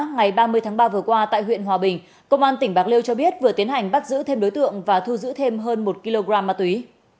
ngày ba mươi tháng ba vừa qua tại huyện hòa bình công an tỉnh bạc liêu cho biết vừa tiến hành bắt giữ thêm đối tượng và thu giữ thêm hơn một kg ma túy